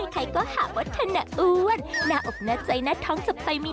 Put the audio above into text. คลอกเลยหอม